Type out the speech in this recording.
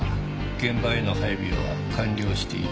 現場への配備は完了しています。